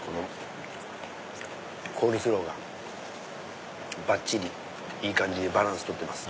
コールスローがばっちりいい感じでバランス取ってます。